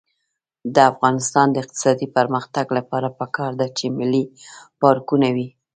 د افغانستان د اقتصادي پرمختګ لپاره پکار ده چې ملي پارکونه وي.